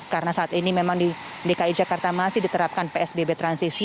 karena saat ini memang di dki jakarta masih diterapkan psbb transisi